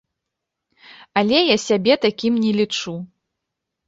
Але я сябе такім не лічу.